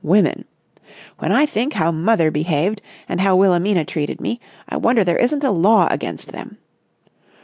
Women! When I think how mother behaved and how Wilhelmina treated me, I wonder there isn't a law against them.